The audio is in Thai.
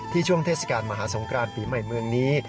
ช่วงเทศกาลมหาสงครานปีใหม่เมืองนี้